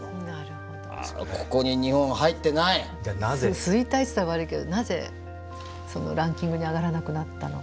衰退といったら悪いけどなぜランキングに上がらなくなったのか。